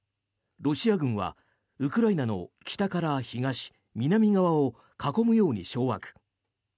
ロシア軍はウクライナの北から東南側を囲むように掌握。